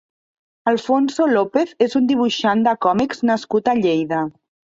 Alfonso López és un dibuixant de còmics nascut a Lleida.